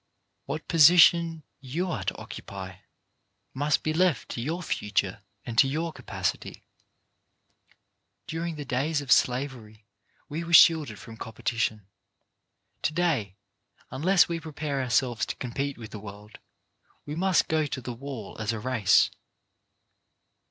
What position you are to occupy must be left to your future and to your capacity. During the days of slavery we were shielded from competition. To day, unless we prepare ourselves to compete with the world, we must go to the wall as a race.